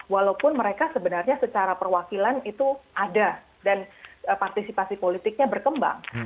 walaupun mereka sebenarnya secara perwakilan itu ada dan partisipasi politiknya berkembang